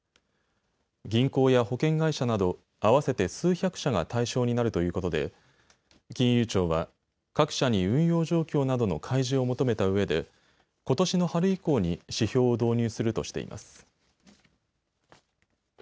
銀行や保険会社など合わせて数百社が対象になるということで金融庁は、各社に運用状況などの開示を求めたうえでことしの春以降に指標を導入するとしています。